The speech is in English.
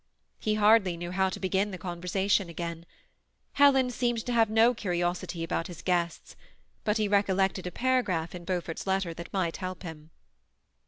He hardly knew how to begin the conversation again. Helen seemed to have no curiosity about his guests ; but he recollected a paragraph in Beaufort's letter that might help him.